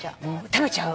食べちゃう？